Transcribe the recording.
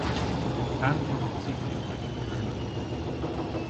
Pandr'a wrons i dybri yn Kernow?